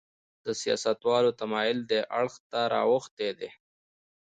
د سیاستوالو تمایل دې اړخ ته راوښتی دی.